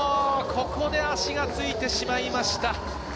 ここで足がついてしまいました。